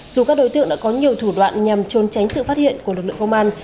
dù các đối tượng đã có nhiều thủ đoạn nhằm trốn tránh sự phát hiện của lực lượng công an